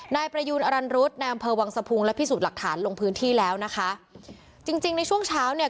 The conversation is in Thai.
นายประยูนอรันรุษในอำเภอวังสะพุงและพิสูจน์หลักฐานลงพื้นที่แล้วนะคะจริงจริงในช่วงเช้าเนี่ย